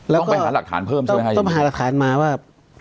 แล้วก็ต้องไปหาหลักฐานเพิ่มช่วยให้ต้องหาหลักฐานมาว่า